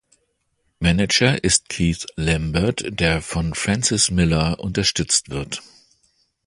Manager ist Keith Lambert, der von Frances Millar unterstützt wird.